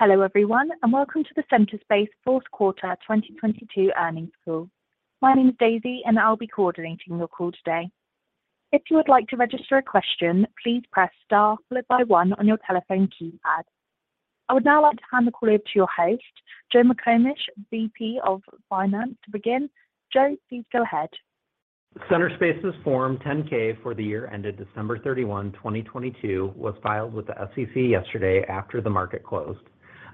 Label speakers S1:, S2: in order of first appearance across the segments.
S1: Hello everyone, and welcome to the Centerspace fourth quarter 2022 earnings call. My name is Daisy, and I'll be coordinating your call today. If you would like to register a question, please press Star followed by one on your telephone keypad. I would now like to hand the call over to your host, Joe McComish, VP of Finance, to begin. Joe, please go ahead.
S2: Centerspace's Form 10-K for the year ended December 31, 2022, was filed with the SEC yesterday after the market closed.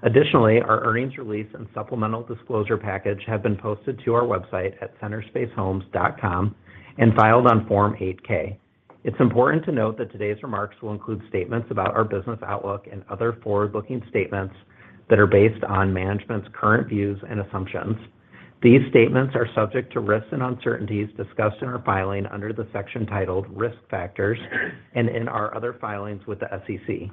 S2: Additionally, our earnings release and supplemental disclosure package have been posted to our website at centerspacehomes.com and filed on Form 8-K. It's important to note that today's remarks will include statements about our business outlook and other forward-looking statements that are based on management's current views and assumptions. These statements are subject to risks and uncertainties discussed in our filing under the section titled Risk Factors and in our other filings with the SEC.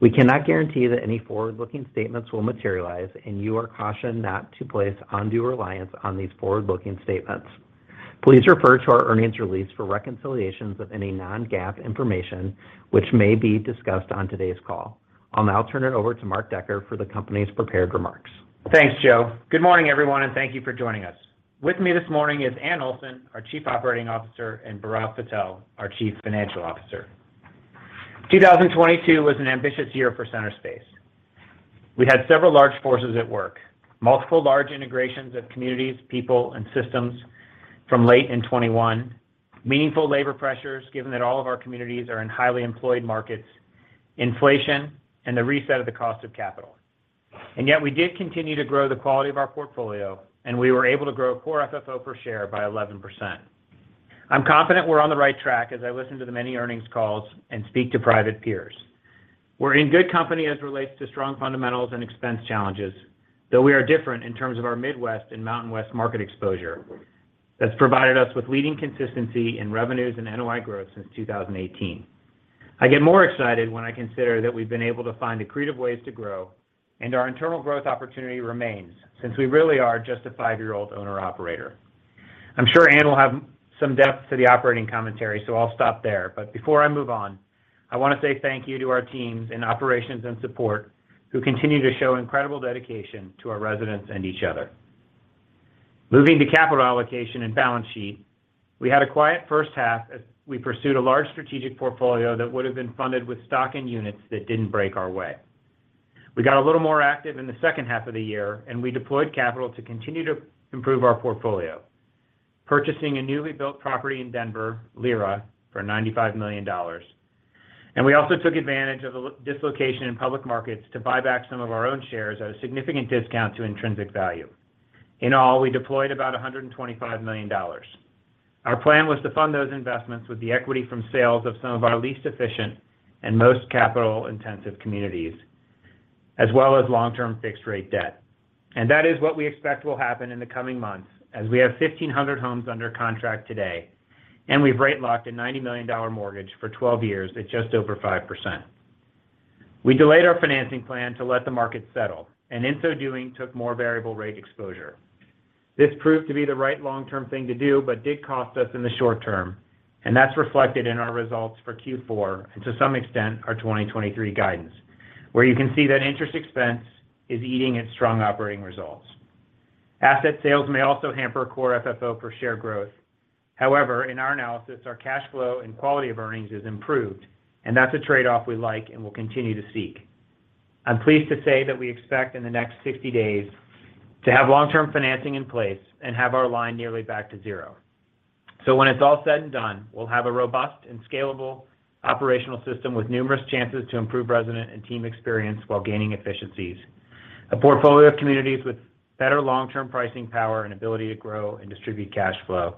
S2: We cannot guarantee that any forward-looking statements will materialize, and you are cautioned not to place undue reliance on these forward-looking statements. Please refer to our earnings release for reconciliations of any non-GAAP information which may be discussed on today's call. I'll now turn it over to Mark Decker for the company's prepared remarks.
S3: Thanks, Joe. Good morning, everyone, and thank you for joining us. With me this morning is Anne Olson, our Chief Operating Officer, and Bhairav Patel, our Chief Financial Officer. 2022 was an ambitious year for Centerspace. We had several large forces at work, multiple large integrations of communities, people, and systems from late in 2021, meaningful labor pressures, given that all of our communities are in highly employed markets, inflation, and the reset of the cost of capital. Yet we did continue to grow the quality of our portfolio, and we were able to grow Core FFO per share by 11%. I'm confident we're on the right track as I listen to the many earnings calls and speak to private peers. We're in good company as it relates to strong fundamentals and expense challenges, though we are different in terms of our Midwest and Mountain West market exposure. That's provided us with leading consistency in revenues and NOI growth since 2018. I get more excited when I consider that we've been able to find accretive ways to grow and our internal growth opportunity remains since we really are just a five-year-old owner operator. I'm sure Anne will have some depth to the operating commentary. I'll stop there. Before I move on, I want to say thank you to our teams in operations and support who continue to show incredible dedication to our residents and each other. Moving to capital allocation and balance sheet. We had a quiet first half as we pursued a large strategic portfolio that would have been funded with stock and units that didn't break our way. We got a little more active in the second half of the year, we deployed capital to continue to improve our portfolio, purchasing a newly built property in Denver, Lyra, for $95 million. We also took advantage of the dislocation in public markets to buy back some of our own shares at a significant discount to intrinsic value. In all, we deployed about $125 million. Our plan was to fund those investments with the equity from sales of some of our least efficient and most capital-intensive communities, as well as long-term fixed rate debt. That is what we expect will happen in the coming months, as we have 1,500 homes under contract today, and we've rate locked a $90 million mortgage for 12 years at just over 5%. We delayed our financing plan to let the market settle, and in so doing, took more variable rate exposure. This proved to be the right long-term thing to do, but did cost us in the short term, and that's reflected in our results for Q4, and to some extent, our 2023 guidance, where you can see that interest expense is eating its strong operating results. Asset sales may also hamper Core FFO per share growth. However, in our analysis, our cash flow and quality of earnings is improved, and that's a trade-off we like and will continue to seek. I'm pleased to say that we expect in the next 60 days to have long-term financing in place and have our line nearly back to zero. When it's all said and done, we'll have a robust and scalable operational system with numerous chances to improve resident and team experience while gaining efficiencies. A portfolio of communities with better long-term pricing power and ability to grow and distribute cash flow,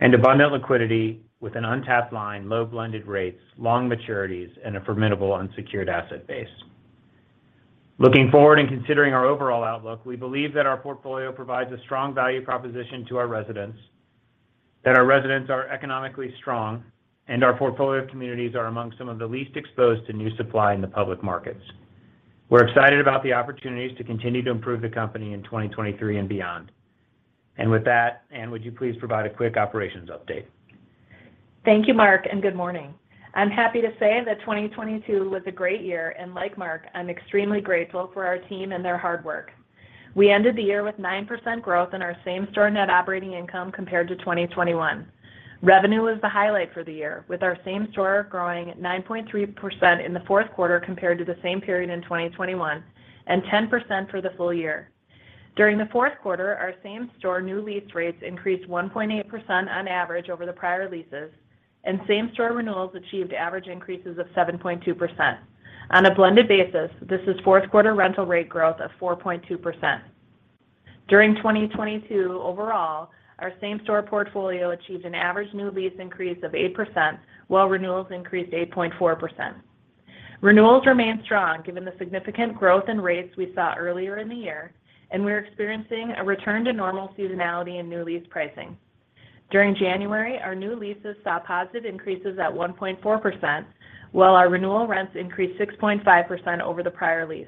S3: and abundant liquidity with an untapped line, low blended rates, long maturities, and a formidable unsecured asset base. Looking forward and considering our overall outlook, we believe that our portfolio provides a strong value proposition to our residents, that our residents are economically strong, and our portfolio of communities are among some of the least exposed to new supply in the public markets. We're excited about the opportunities to continue to improve the company in 2023 and beyond. And with that, Anne, would you please provide a quick operations update?
S4: Thank you, Mark. Good morning. I'm happy to say that 2022 was a great year, and like Mark, I'm extremely grateful for our team and their hard work. We ended the year with 9% growth in our Same-Store Net Operating Income compared to 2021. Revenue was the highlight for the year, with our same-store growing at 9.3% in the fourth quarter compared to the same period in 2021, and 10% for the full year. During the fourth quarter, our same-store new lease rates increased 1.8% on average over the prior leases, and same-store renewals achieved average increases of 7.2%. On a blended basis, this is fourth quarter rental rate growth of 4.2%. During 2022 overall, our same-store portfolio achieved an average new lease increase of 8%, while renewals increased 8.4%. Renewals remain strong given the significant growth in rates we saw earlier in the year, and we're experiencing a return to normal seasonality in new lease pricing. During January, our new leases saw positive increases at 1.4%, while our renewal rents increased 6.5% over the prior lease.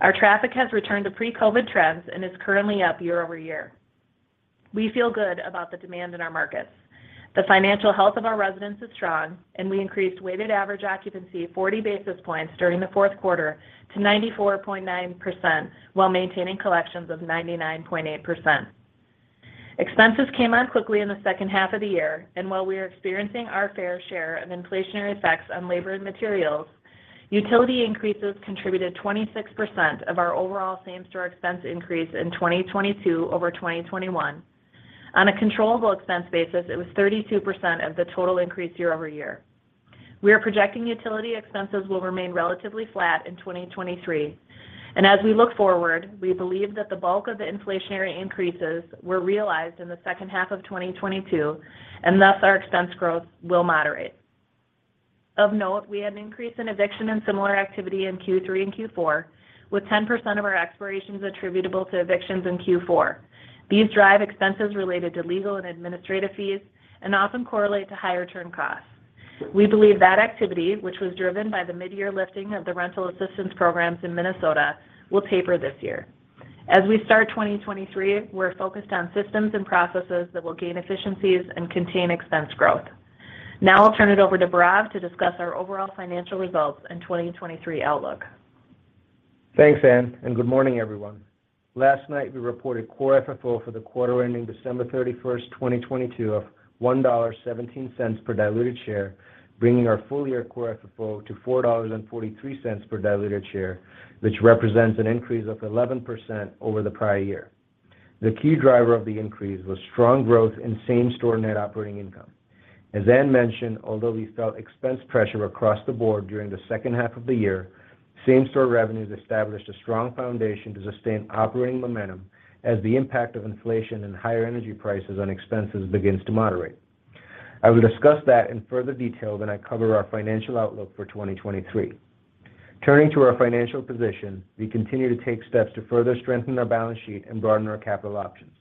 S4: Our traffic has returned to pre-COVID trends and is currently up year-over-year. We feel good about the demand in our markets. The financial health of our residents is strong, and we increased weighted average occupancy 40 basis points during the fourth quarter to 94.9% while maintaining collections of 99.8%. Expenses came on quickly in the second half of the year. While we are experiencing our fair share of inflationary effects on labor and materials, utility increases contributed 26% of our overall same-store expense increase in 2022 over 2021. On a controllable expense basis, it was 32% of the total increase year-over-year. We are projecting utility expenses will remain relatively flat in 2023. As we look forward, we believe that the bulk of the inflationary increases were realized in the second half of 2022, and thus our expense growth will moderate. Of note, we had an increase in eviction and similar activity in Q3 and Q4, with 10% of our expirations attributable to evictions in Q4. These drive expenses related to legal and administrative fees and often correlate to higher turn costs. We believe that activity, which was driven by the mid-year lifting of the rental assistance programs in Minnesota, will taper this year. As we start 2023, we're focused on systems and processes that will gain efficiencies and contain expense growth. I'll turn it over to Bhairav to discuss our overall financial results in 2023 outlook.
S5: Thanks, Anne. Good morning, everyone. Last night we reported Core FFO for the quarter ending December 31, 2022 of $1.17 per diluted share, bringing our full year Core FFO to $4.43 per diluted share, which represents an increase of 11% over the prior year. The key driver of the increase was strong growth in Same-Store Net Operating Income. As Anne mentioned, although we felt expense pressure across the board during the second half of the year, Same-Store revenues established a strong foundation to sustain operating momentum as the impact of inflation and higher energy prices on expenses begins to moderate. I will discuss that in further detail when I cover our financial outlook for 2023. Turning to our financial position, we continue to take steps to further strengthen our balance sheet and broaden our capital options.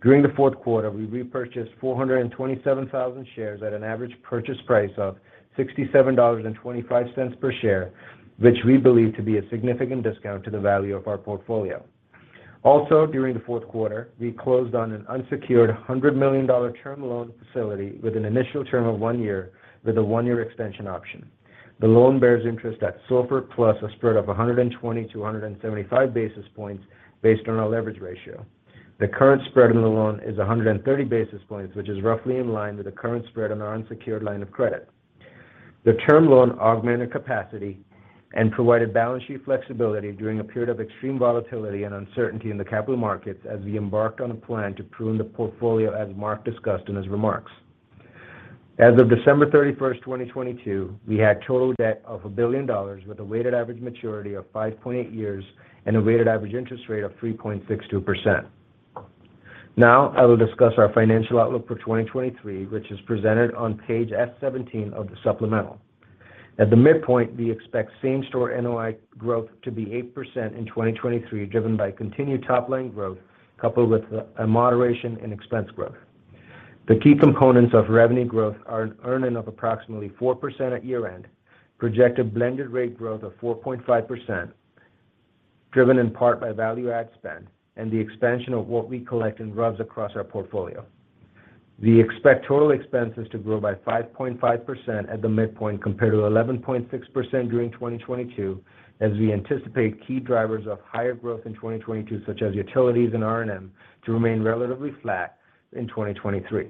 S5: During the fourth quarter, we repurchased 427,000 shares at an average purchase price of $67.25 per share, which we believe to be a significant discount to the value of our portfolio. Also, during the fourth quarter, we closed on an unsecured $100 million term loan facility with an initial term of one year with a 1-year extension option. The loan bears interest at SOFR plus a spread of 120-175 basis points based on our leverage ratio. The current spread on the loan is 130 basis points, which is roughly in line with the current spread on our unsecured line of credit. The term loan augmented capacity and provided balance sheet flexibility during a period of extreme volatility and uncertainty in the capital markets as we embarked on a plan to prune the portfolio, as Mark discussed in his remarks. As of December 31, 2022, we had total debt of $1 billion with a weighted average maturity of 5.8 years and a weighted average interest rate of 3.62%. I will discuss our financial outlook for 2023, which is presented on page S17 of the supplemental. At the midpoint, we expect Same-Store Net Operating Income growth to be 8% in 2023, driven by continued top line growth coupled with a moderation in expense growth. The key components of revenue growth are an earning of approximately 4% at year-end, projected blended rate growth of 4.5%, driven in part by value add spend, and the expansion of what we collect in RUBS across our portfolio. We expect total expenses to grow by 5.5% at the midpoint compared to 11.6% during 2022, as we anticipate key drivers of higher growth in 2022, such as utilities and R&M, to remain relatively flat in 2023.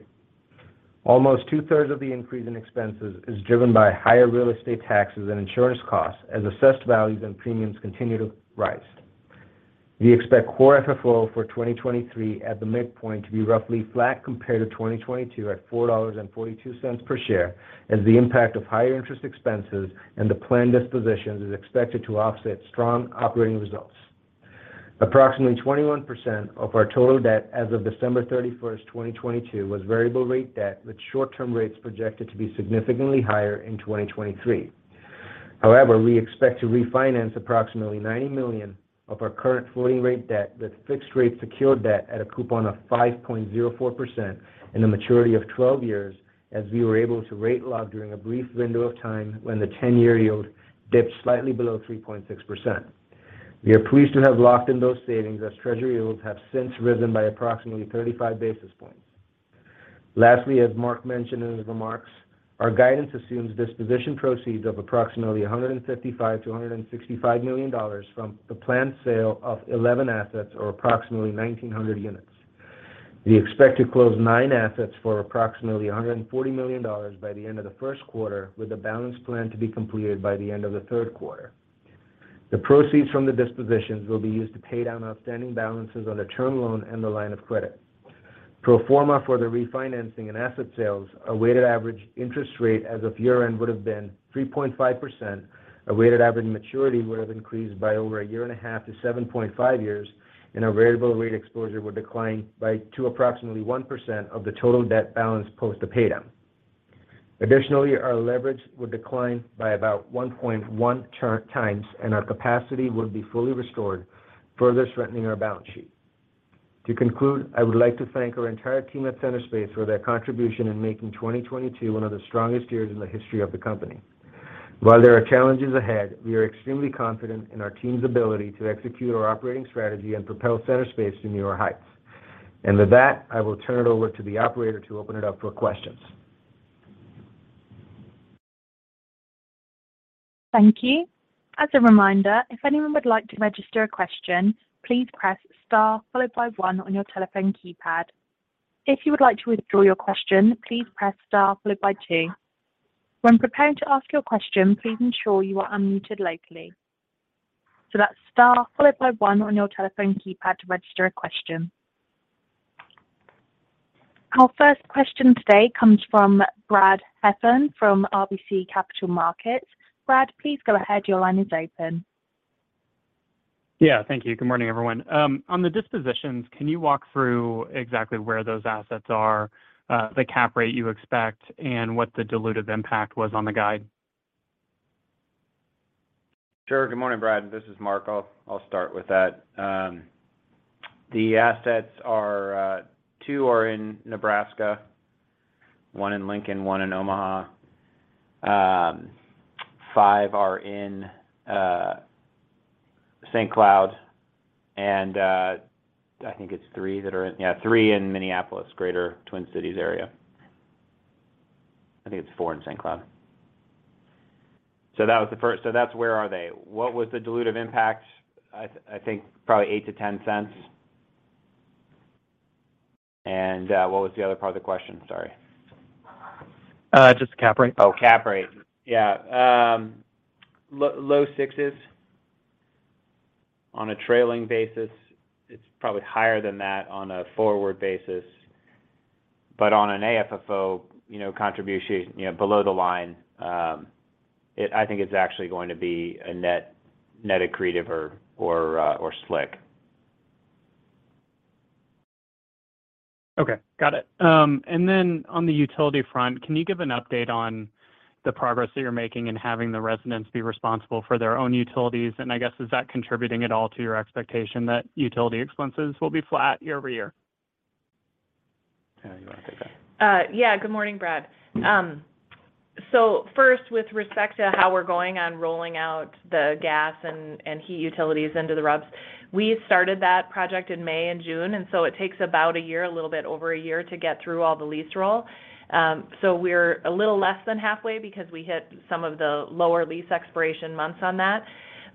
S5: Almost two-thirds of the increase in expenses is driven by higher real estate taxes and insurance costs as assessed values and premiums continue to rise. We expect Core FFO for 2023 at the midpoint to be roughly flat compared to 2022 at $4.42 per share as the impact of higher interest expenses and the planned dispositions is expected to offset strong operating results. Approximately 21% of our total debt as of December 31, 2022 was variable rate debt, with short-term rates projected to be significantly higher in 2023. However, we expect to refinance approximately $90 million of our current floating rate debt with fixed rate secured debt at a coupon of 5.04% and a maturity of 12 years as we were able to rate lock during a brief window of time when the 10-year yield dipped slightly below 3.6%. We are pleased to have locked in those savings as Treasury yields have since risen by approximately 35 basis points. Lastly, as Mark mentioned in his remarks, our guidance assumes disposition proceeds of approximately $155 million-$165 million from the planned sale of 11 assets or approximately 1,900 units. We expect to close 9 assets for approximately $140 million by the end of the first quarter, with the balance plan to be completed by the end of the third quarter. The proceeds from the dispositions will be used to pay down outstanding balances on the term loan and the line of credit. Pro forma for the refinancing and asset sales, a weighted average interest rate as of year-end would have been 3.5%. A weighted average maturity would have increased by over a year and a half to 7.5 years, and our variable rate exposure would decline by to approximately 1% of the total debt balance post the paydown. Additionally, our leverage would decline by about 1.1 term times and our capacity would be fully restored, further strengthening our balance sheet. To conclude, I would like to thank our entire team at Centerspace for their contribution in making 2022 one of the strongest years in the history of the company. While there are challenges ahead, we are extremely confident in our team's ability to execute our operating strategy and propel Centerspace to newer heights. With that, I will turn it over to the operator to open it up for questions.
S1: Thank you. As a reminder, if anyone would like to register a question, please press Star followed by one on your telephone keypad. If you would like to withdraw your question, please press Star followed by two. When preparing to ask your question, please ensure you are unmuted locally. Press Star followed by one on your telephone keypad to register a question. Our first question today comes from Brad Heffern from RBC Capital Markets. Brad, please go ahead. Your line is open.
S6: Thank you. Good morning, everyone. On the dispositions, can you walk through exactly where those assets are, the cap rate you expect, and what the dilutive impact was on the guide?
S3: Sure. Good morning, Brad. This is Mark. I'll start with that. The assets are two are in Nebraska, one in Lincoln, one in Omaha, five are in Saint Cloud, I think it's three in Minneapolis, Greater Twin Cities area. I think it's four in Saint Cloud. That was the first. That's where are they. What was the dilutive impact? I think probably $0.08-$0.10. What was the other part of the question? Sorry.
S6: Just the cap rate.
S3: Oh, cap rate. Yeah. low sixes on a trailing basis. It's probably higher than that on a forward basis. On an AFFO, you know, contribution, you know, below the line, I think it's actually going to be a net accretive or slick.
S6: Okay. Got it. On the utility front, can you give an update on the progress that you're making in having the residents be responsible for their own utilities? I guess, is that contributing at all to your expectation that utility expenses will be flat year-over-year?
S3: Anne, you wanna take that?
S4: Yeah. Good morning, Brad. First with respect to how we're going on rolling out the gas and heat utilities into the RUBS, we started that project in May and June, it takes about a year, a little bit over a year to get through all the lease roll. We're a little less than halfway because we hit some of the lower lease expiration months on that.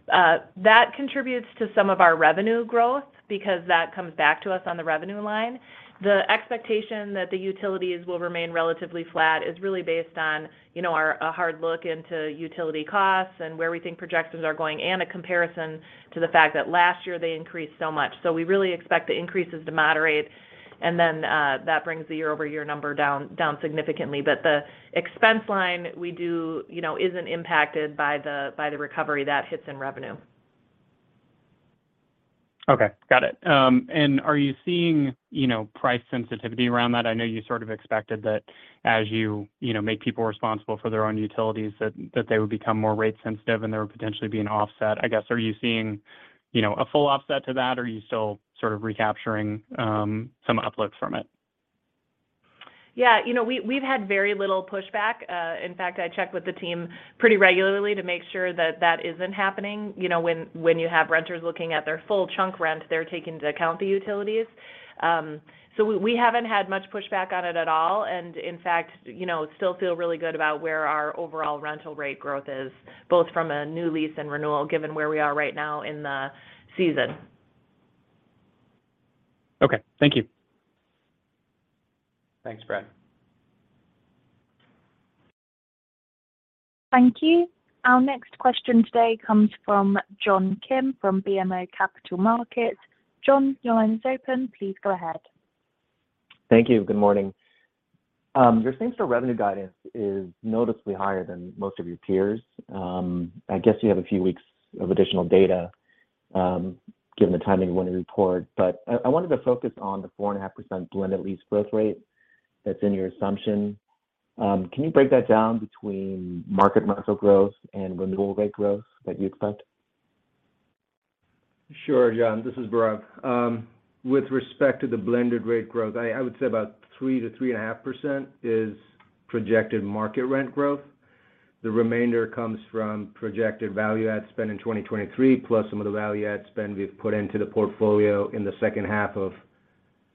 S4: That contributes to some of our revenue growth because that comes back to us on the revenue line. The expectation that the utilities will remain relatively flat is really based on, you know, a hard look into utility costs and where we think projections are going and a comparison to the fact that last year they increased so much. We really expect the increases to moderate, and then, that brings the year-over-year number down significantly. The expense line we do, you know, isn't impacted by the recovery that hits in revenue.
S6: Okay. Got it. Are you seeing, you know, price sensitivity around that? I know you sort of expected that as you know, make people responsible for their own utilities that they would become more rate sensitive and there would potentially be an offset. I guess, are you seeing, you know, a full offset to that, or are you still sort of recapturing, some uplift from it?
S4: Yeah. You know, we've had very little pushback. In fact, I check with the team pretty regularly to make sure that that isn't happening. You know, when you have renters looking at their full chunk rent, they're taking into account the utilities. We haven't had much pushback on it at all. In fact, you know, still feel really good about where our overall rental rate growth is, both from a new lease and renewal, given where we are right now in the season.
S6: Okay. Thank you.
S3: Thanks, Brad.
S1: Thank you. Our next question today comes from John Kim from BMO Capital Markets. John, your line is open. Please go ahead.
S7: Thank you. Good morning. Your Same-Store revenue guidance is noticeably higher than most of your peers. I guess you have a few weeks of additional data, given the timing you want to report. I wanted to focus on the 4.5% blended lease growth rate that's in your assumption. Can you break that down between market rental growth and renewal rate growth that you expect?
S5: Sure, John. This is Bhairav. With respect to the blended rate growth, I would say about 3% to 3.5% is projected market rent growth. The remainder comes from projected value add spend in 2023, plus some of the value add spend we've put into the portfolio in the second half of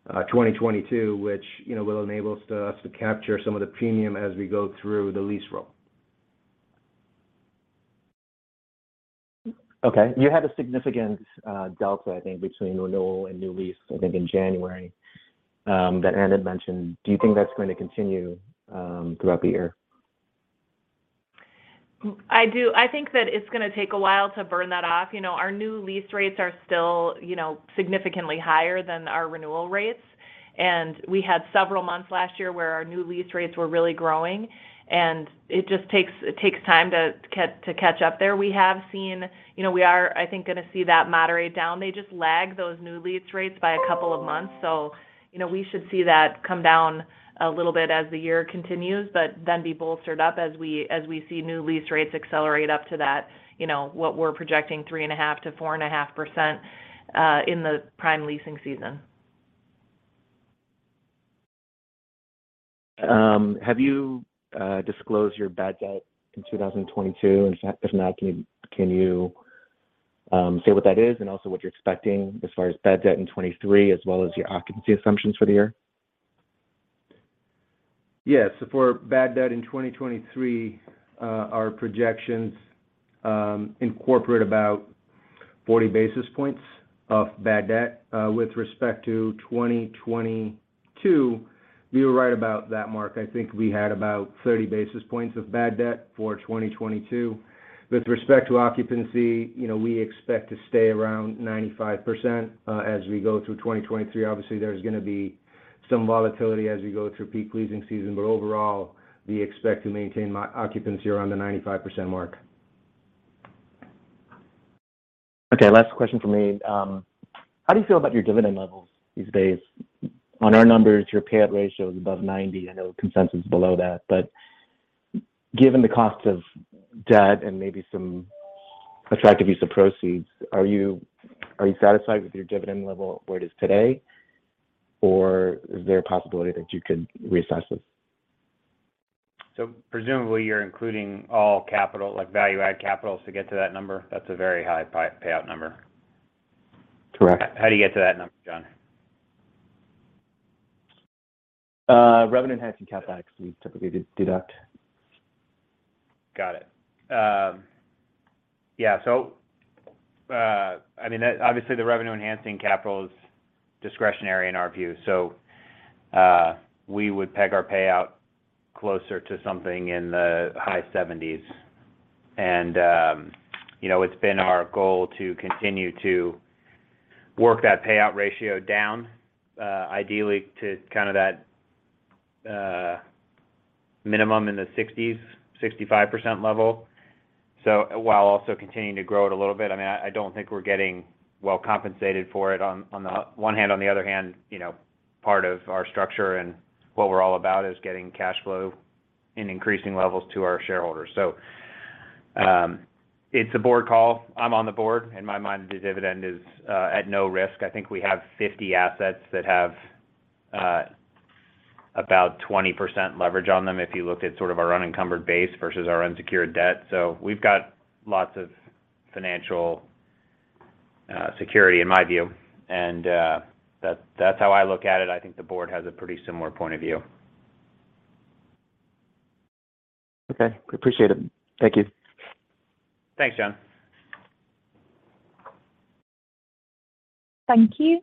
S5: 2022, which, you know, will enable us to capture some of the premium as we go through the lease roll.
S7: Okay. You had a significant delta, I think, between renewal and new lease, I think in January, that Anne had mentioned. Do you think that's going to continue throughout the year?
S4: I do. I think that it's gonna take a while to burn that off. You know, our new lease rates are still, you know, significantly higher than our renewal rates. We had several months last year where our new lease rates were really growing, and it just takes time to catch up there. We have seen. You know, we are, I think, gonna see that moderate down. They just lag those new lease rates by a couple of months. You know, we should see that come down a little bit as the year continues, but then be bolstered up as we, as we see new lease rates accelerate up to that, you know, what we're projecting 3.5%-4.5% in the prime leasing season.
S7: Have you disclosed your bad debt in 2022? If not, can you say what that is and also what you're expecting as far as bad debt in 2023 as well as your occupancy assumptions for the year?
S5: Yeah. For bad debt in 2023, our projections incorporate about 40 basis points of bad debt. With respect to 2022, you were right about that Mark. I think we had about 30 basis points of bad debt for 2022. With respect to occupancy, you know, we expect to stay around 95%, as we go through 2023. Obviously, there's gonna be some volatility as we go through peak leasing season, but overall, we expect to maintain my occupancy around the 95% mark.
S7: Okay. Last question from me. How do you feel about your dividend levels these days? On our numbers, your payout ratio is above 90. I know consensus is below that. Given the cost of debt and maybe some attractive use of proceeds, are you satisfied with your dividend level where it is today, or is there a possibility that you could reassess this?
S3: Presumably you're including all capital, like value-add capitals to get to that number. That's a very high payout number.
S7: Correct.
S3: How do you get to that number, John?
S7: Revenue enhancing CapEx, we typically deduct.
S3: Got it. Yeah. I mean, obviously the revenue enhancing capital is discretionary in our view. We would peg our payout closer to something in the high 70s. You know, it's been our goal to continue to work that payout ratio down, ideally to kind of that minimum in the 60%-65% level. While also continuing to grow it a little bit, I mean, I don't think we're getting well compensated for it on the one hand, on the other hand, you know, part of our structure and what we're all about is getting cash flow in increasing levels to our shareholders. It's a board call. I'm on the board. In my mind, the dividend is at no risk. I think we have 50 assets that have about 20% leverage on them if you look at sort of our unencumbered base versus our unsecured debt. We've got lots of financial security in my view, and that's how I look at it. I think the board has a pretty similar point of view.
S7: Okay. Appreciate it. Thank you.
S3: Thanks, John.
S1: Thank you.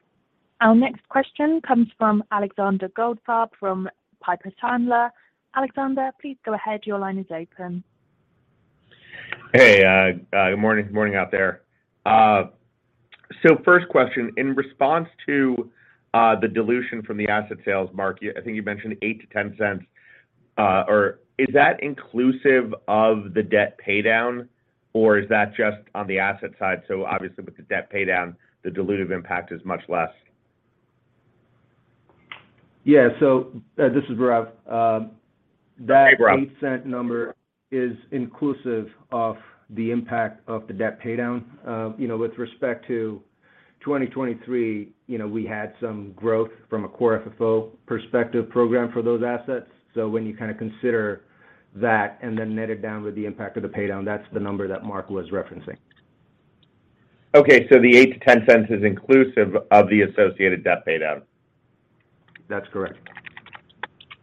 S1: Our next question comes from Alexander Goldfarb from Piper Sandler. Alexander, please go ahead. Your line is open.
S8: Hey, good morning. Morning out there. First question, in response to, the dilution from the asset sales Mark, I think you mentioned $0.08-$0.10, or is that inclusive of the debt pay down, or is that just on the asset side? Obviously with the debt pay down, the dilutive impact is much less.
S5: Yeah. This is Bhairav.
S8: Hey, Bhairav....
S5: that $0.08 number is inclusive of the impact of the debt pay down. You know, with respect to 2023, you know, we had some growth from a Core FFO perspective program for those assets. When you kind of consider that and then net it down with the impact of the pay down, that's the number that Mark was referencing.
S8: Okay. The $0.08-$0.10 is inclusive of the associated debt pay down.
S5: That's correct.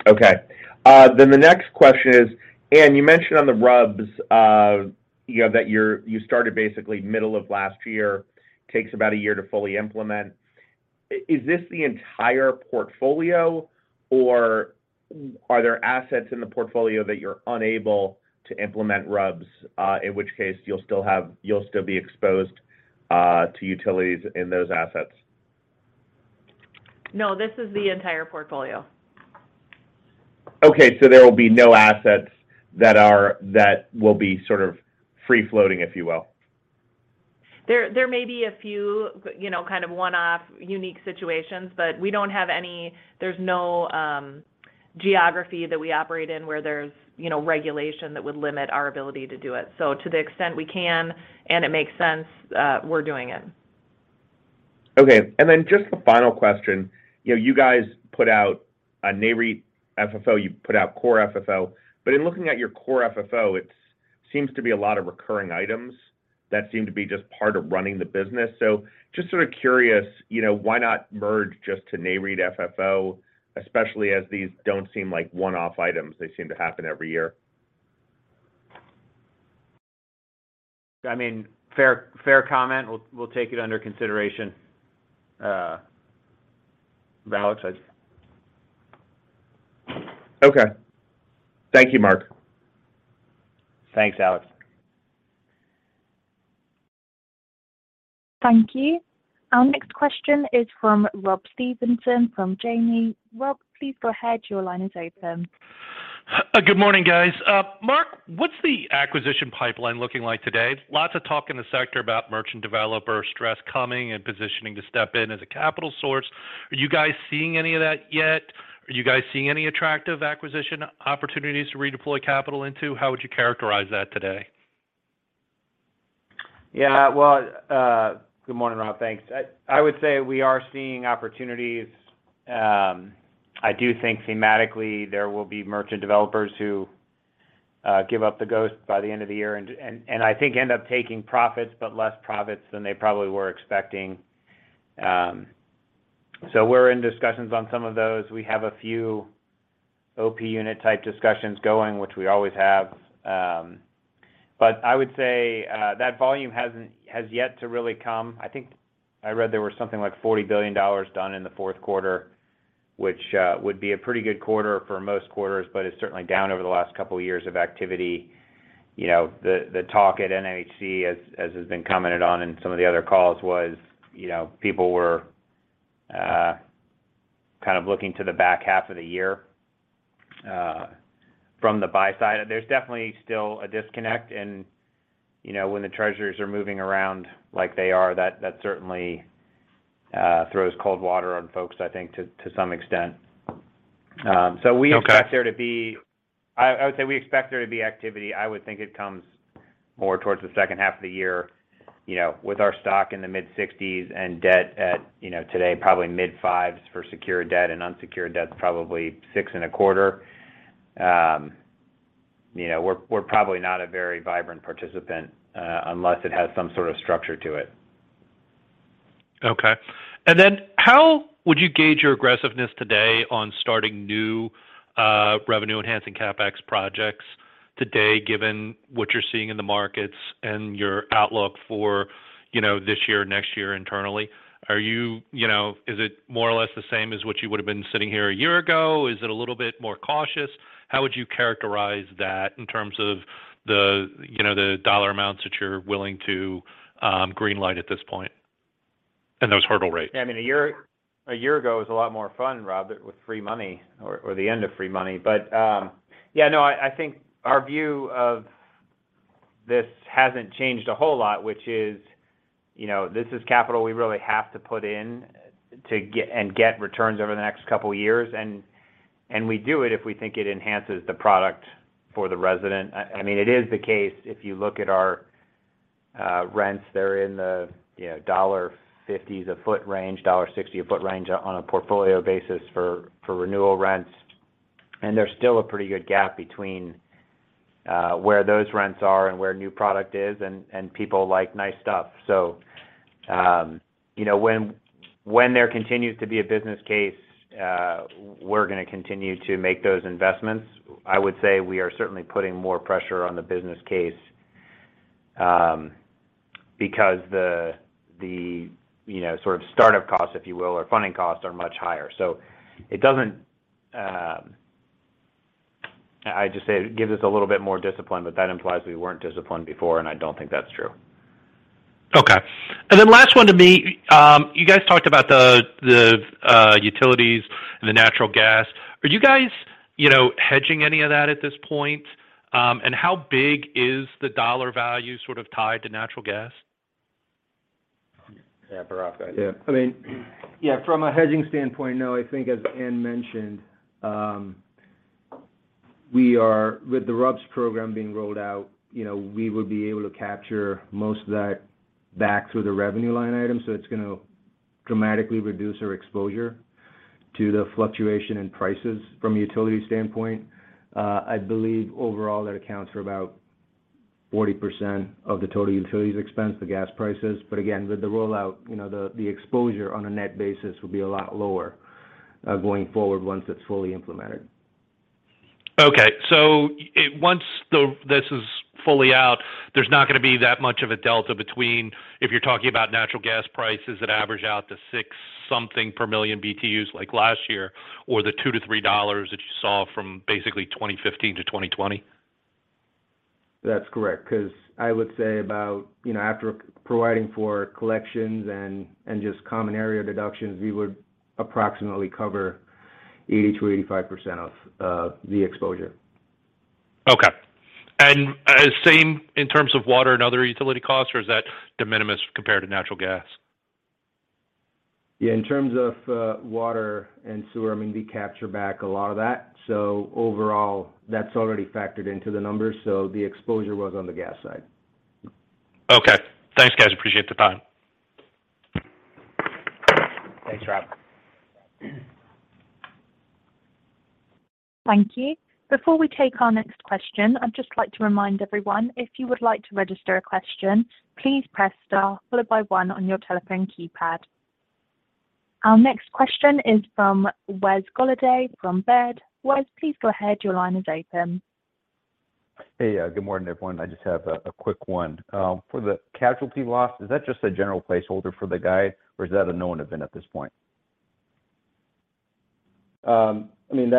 S8: Okay. The next question is, Anne, you mentioned on the RUBS, you know, that you started basically middle of last year, takes about a year to fully implement. Is this the entire portfolio, or are there assets in the portfolio that you're unable to implement RUBS, in which case you'll still be exposed to utilities in those assets?
S4: No, this is the entire portfolio.
S8: Okay. There will be no assets that will be sort of free floating, if you will.
S4: There may be a few, you know, kind of one-off unique situations, but we don't have any. There's no geography that we operate in where there's, you know, regulation that would limit our ability to do it. To the extent we can and it makes sense, we're doing it.
S8: Okay. Just the final question. You know, you guys put out a Nareit FFO, you put out Core FFO. In looking at your Core FFO, it's seems to be a lot of recurring items that seem to be just part of running the business. Just sort of curious, you know, why not merge just to Nareit FFO, especially as these don't seem like one-off items, they seem to happen every year.
S3: I mean, fair comment. We'll take it under consideration. Alex.
S8: Okay. Thank you, Mark.
S3: Thanks, Alex.
S1: Thank you. Our next question is from Rob Stevenson from Janney. Rob, please go ahead. Your line is open.
S9: Good morning, guys. Mark, what's the acquisition pipeline looking like today? Lots of talk in the sector about merchant developer stress coming and positioning to step in as a capital source. Are you guys seeing any of that yet? Are you guys seeing any attractive acquisition opportunities to redeploy capital into? How would you characterize that today?
S3: Well, good morning, Rob. Thanks. I would say we are seeing opportunities. I do think thematically there will be merchant developers who give up the ghost by the end of the year and I think end up taking profits, but less profits than they probably were expecting. We're in discussions on some of those. We have a few OP Unit type discussions going, which we always have. I would say that volume has yet to really come. I think I read there was something like $40 billion done in the fourth quarter, which would be a pretty good quarter for most quarters, but it's certainly down over the last couple of years of activity. You know, the talk at NMHC as has been commented on in some of the other calls was, you know, people were, kind of looking to the back half of the year, from the buy side. There's definitely still a disconnect and, you know, when the treasurers are moving around like they are, that certainly, throws cold water on folks, I think to some extent.
S9: Okay
S3: I expect there to be. I would say we expect there to be activity. I would think it comes more towards the second half of the year, you know, with our stock in the mid-60s and debt at, you know, today probably mid-5s for secured debt and unsecured debt is probably six and a quarter. You know, we're probably not a very vibrant participant, unless it has some sort of structure to it.
S9: How would you gauge your aggressiveness today on starting new revenue enhancing CapEx projects today, given what you're seeing in the markets and your outlook for, you know, this year, next year internally? You know, is it more or less the same as what you would have been sitting here a year ago? Is it a little bit more cautious? How would you characterize that in terms of the, you know, the dollar amounts that you're willing to greenlight at this point, and those hurdle rates?
S3: Yeah. I moan, a year ago was a lot more fun, Rob, with free money or the end of free money. Yeah, no, I think our view of this hasn't changed a whole lot, which is, you know, this is capital we really have to put in and get returns over the next couple of years. We do it if we think it enhances the product for the resident. I mean, it is the case, if you look at our rents, they're in the, you know, $1.50 a foot range, $1.60 a foot range on a portfolio basis for renewal rents. There's still a pretty good gap between where those rents are and where new product is, and people like nice stuff. You know, when there continues to be a business case, we're gonna continue to make those investments. I would say we are certainly putting more pressure on the business case, because the, you know, sort of startup costs, if you will, or funding costs are much higher. I just say it gives us a little bit more discipline, but that implies we weren't disciplined before, and I don't think that's true.
S9: Okay. Last one to me. You guys talked about the utilities and the natural gas. Are you guys, you know, hedging any of that at this point? How big is the dollar value sort of tied to natural gas?
S3: Yeah. Bhairav, go ahead.
S5: I mean, yeah, from a hedging standpoint, no. I think as Mark Decker, Jr. mentioned, we are with the RUBS program being rolled out, you know, we will be able to capture most of that back through the revenue line item. It's gonna dramatically reduce our exposure to the fluctuation in prices from a utility standpoint. I believe overall that accounts for about 40% of the total utilities expense, the gas prices. Again, with the rollout, you know, the exposure on a net basis will be a lot lower going forward once it's fully implemented.
S9: Okay. Once this is fully out, there's not gonna be that much of a delta between if you're talking about natural gas prices that average out to six something per million BTUs like last year or the $2-$3 that you saw from basically 2015 to 2020?
S5: That's correct. 'Cause I would say about, you know, after providing for collections and just common area deductions, we would approximately cover 80%-85% of the exposure.
S9: Okay. Same in terms of water and other utility costs, or is that de minimis compared to natural gas?
S5: Yeah. In terms of water and sewer, I mean, we capture back a lot of that. Overall, that's already factored into the numbers. The exposure was on the gas side.
S9: Okay. Thanks, guys. Appreciate the time.
S3: Thanks, Rob.
S1: Thank you. Before we take our next question, I'd just like to remind everyone, if you would like to register a question, please press Star followed by one on your telephone keypad. Our next question is from Wes Golladay from Baird. Wes, please go ahead. Your line is open.
S10: Hey. Good morning, everyone. I just have a quick one. For the casualty loss, is that just a general placeholder for the guide or is that a known event at this point?
S3: I mean,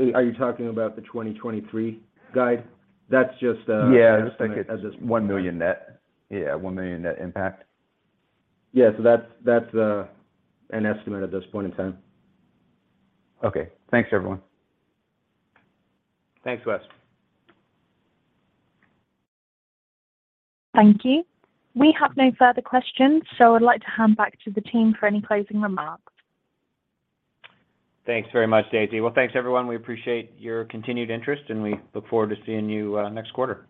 S3: that's. Are you talking about the 2023 guide? That's just.
S10: Yeah. I just think it's $1 million net. Yeah, $1 million net impact.
S3: Yeah. That's an estimate at this point in time.
S10: Okay. Thanks, everyone.
S3: Thanks, Wes.
S1: Thank you. We have no further questions. I'd like to hand back to the team for any closing remarks.
S3: Thanks very much, Daisy. Well, thanks everyone. We appreciate your continued interest. We look forward to seeing you next quarter.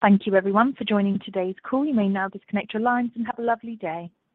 S1: Thank you everyone for joining today's call. You may now disconnect your lines and have a lovely day.